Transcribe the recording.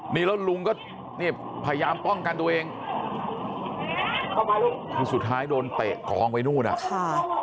นี่แล้วลุงก็เนี่ยพยายามป้องกันตัวเองคือสุดท้ายโดนเตะกองไปนู่นอ่ะค่ะ